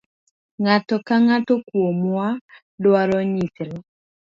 Ng'ato ka ng'ato kuomwa dwanyisre.